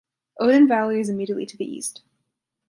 Odin Valley is immediately to the east.